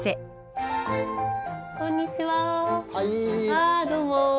あどうも。